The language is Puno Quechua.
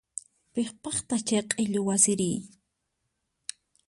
Piqpataq chay q'illu wasiri?